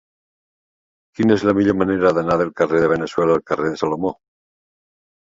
Quina és la millor manera d'anar del carrer de Veneçuela al carrer de Salomó?